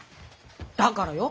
だからよ。